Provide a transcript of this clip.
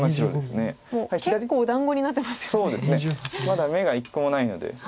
まだ眼が一個もないので。